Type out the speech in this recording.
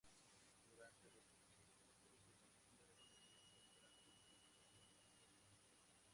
Durante los últimos meses de la Segunda Guerra Mundial contrajo tuberculosis en el frente.